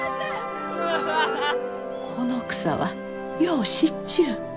この草はよう知っちゅう。